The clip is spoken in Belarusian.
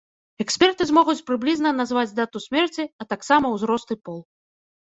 Эксперты змогуць прыблізна назваць дату смерці, а таксама узрост і пол.